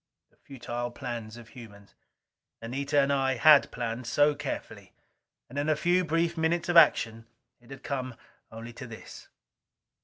The futile plans of humans! Anita and I had planned so carefully. And in a few brief minutes of action it had come only to this!